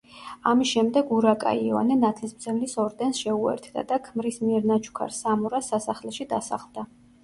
ამის შემდეგ ურაკა იოანე ნათლისმცემლის ორდენს შეუერთდა და ქმრის მიერ ნაჩუქარ სამორას სასახლეში დასახლდა.